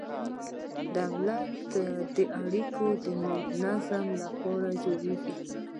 دولت د اړیکو د نظم لپاره جوړیږي.